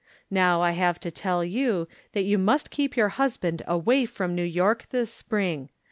Now I have to tell you that you must keep your husband away from New York this spring.